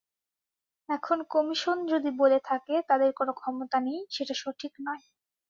এখন কমিশন যদি বলে থাকে, তাদের কোনো ক্ষমতা নেই, সেটা সঠিক নয়।